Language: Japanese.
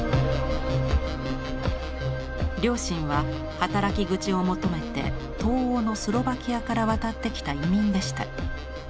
両親は働き口を求めて東欧のスロバキアから渡ってきた移民でした。